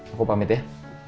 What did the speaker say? aku pamit ya